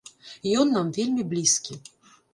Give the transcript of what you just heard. Ён нам вельмі блізкі.